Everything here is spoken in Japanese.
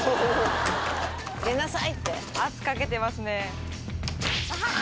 出なさい！って圧かけてますね。